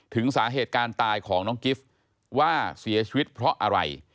สาเหตุการณ์ตายของน้องกิฟต์ว่าเสียชีวิตเพราะอะไร